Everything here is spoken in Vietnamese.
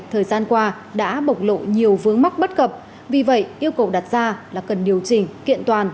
thời gian qua đã bộc lộ nhiều vướng mắc bất cập vì vậy yêu cầu đặt ra là cần điều chỉnh kiện toàn